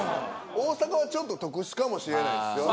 大阪はちょっと特殊かもしれないっすよね。